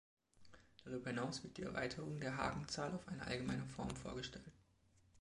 Darüber hinaus wird die Erweiterung der Hagen-Zahl auf eine allgemeine Form vorgestellt.